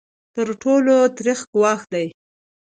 تر ټولو تریخ ګواښ دی.